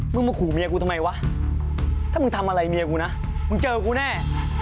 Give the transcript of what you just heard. มาขู่เมียกูทำไมวะถ้ามึงทำอะไรเมียกูนะมึงเจอกูแน่